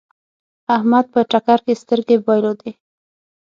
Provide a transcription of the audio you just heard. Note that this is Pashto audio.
احمد په ټکر کې سترګې بايلودې.